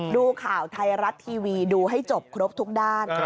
ดูข่าวไทยรัฐทีวีดูให้จบครบทุกด้าน